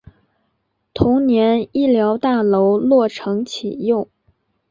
同年医疗大楼落成启用。